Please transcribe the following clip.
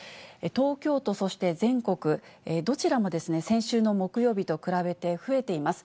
東京都、そして全国、どちらも先週の木曜日と比べて増えています。